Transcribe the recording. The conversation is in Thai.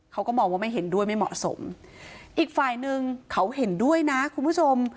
เขาก็มองว่าไม่เห็นด้วยไม่เหมาะสมอีกฝ่ายหนึ่งเขาเห็นด้วยนะคุณผู้ชม